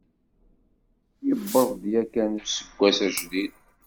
Yewweḍ-d yakan useggas ajdid.